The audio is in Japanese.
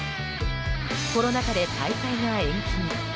コロナ禍で大会が延期に。